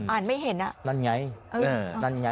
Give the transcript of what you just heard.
อ่านไม่เห็นอ่ะนั่นไง